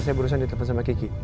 saya berusaha diteman sama kiki